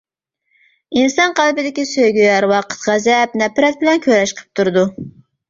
ئىنسان قەلبىدىكى سۆيگۈ ھەر ۋاقىت غەزەپ، نەپرەت بىلەن كۈرەش قىلىپ تۇرىدۇ.